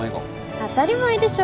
当たり前でしょ。